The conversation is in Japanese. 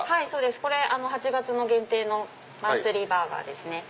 これ８月の限定のマンスリーバーガーですね。